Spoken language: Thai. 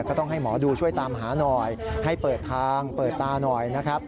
ก็ต้องให้หมอดูช่วยตามหาหน่อยให้เปิดทางเปิดตาหน่อยนะครับ